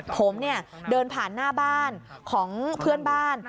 ผมเนี่ยเดินผ่านหน้าบ้านของเพื่อนบ้าน